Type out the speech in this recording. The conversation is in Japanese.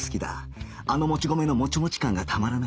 あのもち米のモチモチ感がたまらない